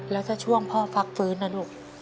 แล้วถ้าช่วงพ่อฟักฟื้นนะลูก